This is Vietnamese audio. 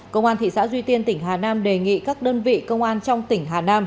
công an thị xã duy tiên tỉnh hà nam đề nghị các đơn vị công an trong tỉnh hà nam